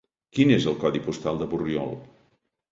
Quin és el codi postal de Borriol?